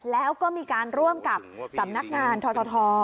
แล้วก็มีการร่วมกับสำนักงานทท